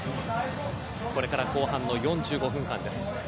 これから後半の４５分間です。